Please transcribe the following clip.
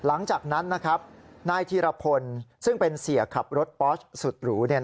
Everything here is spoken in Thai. หลังจากนั้นนายธีรพลซึ่งเป็นเสียขับรถปอสสุดหรู